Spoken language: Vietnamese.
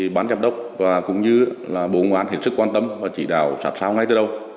bán giám đốc và cũng như bộ ngũ án hiển sức quan tâm và chỉ đào sát sao ngay từ đâu